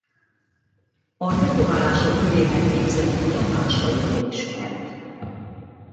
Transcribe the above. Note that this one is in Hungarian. A tetoválások körében végzett kutatásairól ismert.